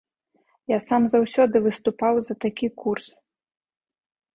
Я сам заўсёды выступаў за такі курс.